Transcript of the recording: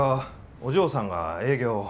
お嬢さんが営業を。